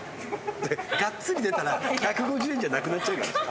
ガッツリ出たら１５０円じゃなくなっちゃうからさ。